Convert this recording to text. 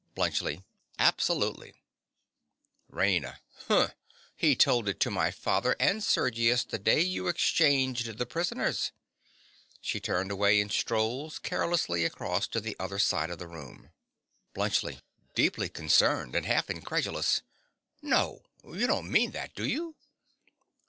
BLUNTSCHLI. Absolutely. RAINA. Hm! He told it all to my father and Sergius the day you exchanged the prisoners. (She turns away and strolls carelessly across to the other side of the room.) BLUNTSCHLI. (deeply concerned and half incredulous). No! you don't mean that, do you?